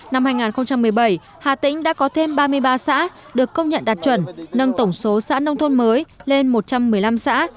năm hai nghìn một mươi bảy hà tĩnh đã có thêm ba mươi ba xã được công nhận đạt chuẩn nâng tổng số xã nông thôn mới lên một trăm một mươi năm xã